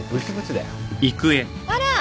あら。